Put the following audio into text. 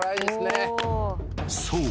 ［そう。